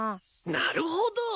なるほど！